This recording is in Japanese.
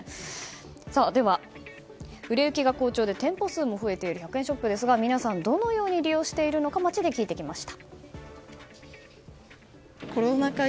では、売れ行きが好調で店舗数も増えている１００円ショップですが、皆さんどのように利用しているのか街で聞いてきました。